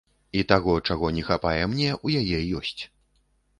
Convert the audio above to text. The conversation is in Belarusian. І таго, чаго не хапае мне, у яе ёсць.